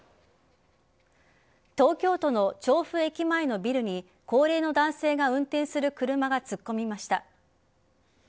東京都の調布駅前のビルに高齢の男性が運転する車が突っ込みました。